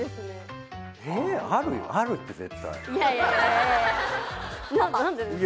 いやいや何でですか？